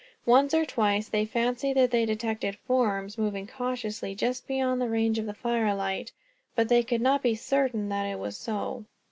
Once or twice they fancied that they detected forms, moving cautiously just beyond the range of the firelight; but they could not be certain that it was so.